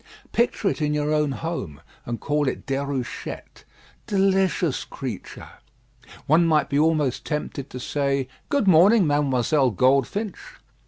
Picture it in your own home, and call it Déruchette. Delicious creature! One might be almost tempted to say, "Good morning, Mademoiselle Goldfinch."